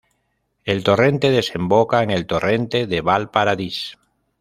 El torrente desemboca en el Torrente de Vallparadís.